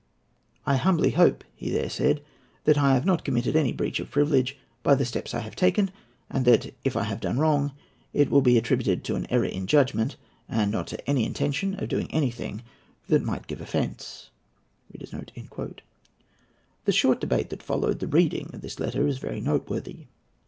"I humbly hope," he there said, "that I have not committed any breach of privilege by the steps I have taken; and that, if I have done wrong, it will be attributed to error in judgment, and not to any intention of doing anything that might give offence." The short debate that followed the reading of that letter is very noteworthy.